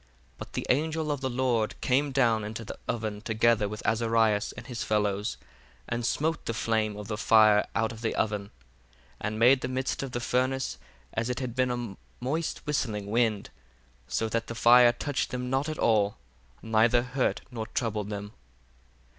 26 But the angel of the Lord came down into the oven together with Azarias and his fellows, and smote the flame of the fire out of the oven; 27 And made the midst of the furnace as it had been a moist whistling wind, so that the fire touched them not at all, neither hurt nor troubled them.